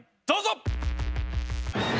どうぞ！